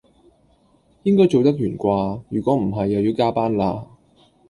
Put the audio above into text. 應該做得完掛，如果唔係又要加班啦